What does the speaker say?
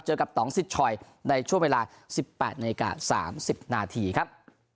เจอกับตองสิทธอยในช่วงเวลา๑๘นาฬิกา๓๐นาทีครับ